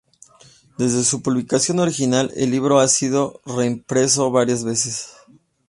Desde su publicación original, el libro ha sido reimpreso varias veces.